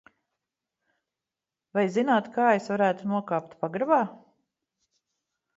Vai zināt, kā es varētu nokāpt pagrabā?